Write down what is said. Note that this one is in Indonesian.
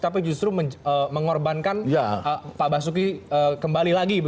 tapi justru mengorbankan pak basuki kembali lagi